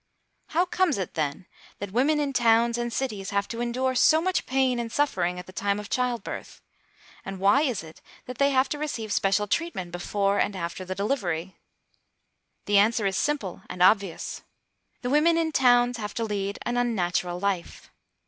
How comes it, then, that women in towns and cities have to endure so much pain and suffering at the time of child birth? And why is it that they have to receive special treatment before and after the delivery? The answer is simple and obvious. The women in towns have to lead an unnatural life.